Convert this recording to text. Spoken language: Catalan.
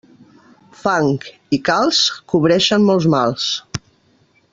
Fang i calç, cobreixen molts mals.